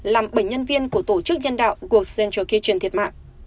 làm bệnh nhân viên của tổ chức nhân đạo của central kitchen thiệt mạng